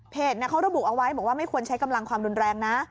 เขาระบุเอาไว้บอกว่าไม่ควรใช้กำลังความรุนแรงนะ